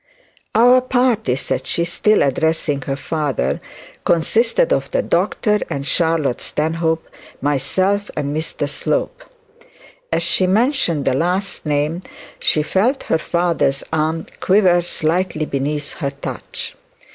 'Our party,' said she, still addressing her father, 'consisted of the Doctor and Charlotte Stanhope, myself, and Mr Slope.' As she mentioned the last name she felt her father's arm quiver slightly beneath her touch.